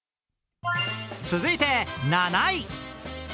続いて、７位。